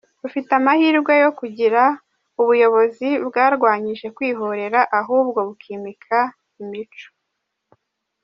rufite amahirwe yo kugira ubuyobozi bwarwanyije kwihorera ahubwo bukimika imico.